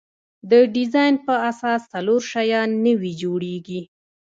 د ډیزاین په اساس څلور شیان نوي جوړیږي.